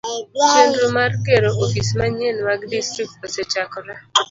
Chenro mar gero ofis manyien mag distrikt osechakore.